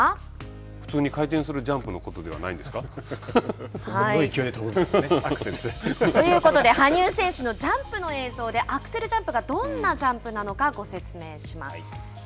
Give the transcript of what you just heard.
普通に回転するジャンプのことではないんですか。ということで羽生選手のジャンプの映像でアクセルジャンプがどんなジャンプなのかご説明します。